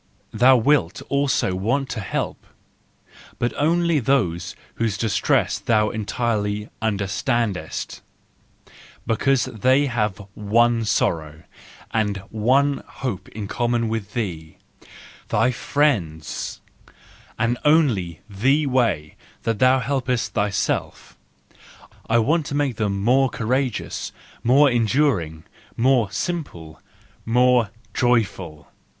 Thou wilt also want to help, but only those whose distress thou entirely under standest, because they have one sorrow and one hope in common with thee—thy friends: and only in the way that thou helpest thyself:—I want to make them more courageous, more enduring, more simple, more joyful!